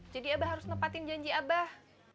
jadi abah harus nepatin janji abah